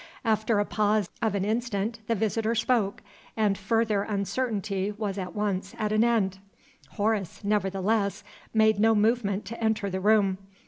After a pause of an instant the visitor spoke, and further uncertainty was at once at an end. Horace, nevertheless, made no movement to enter the room.